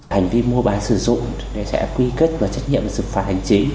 hành vi mua bán sử dụng sẽ quy kết và trách nhiệm sự phạt hành trí